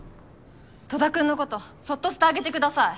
戸田君のことそっとしてあげてください！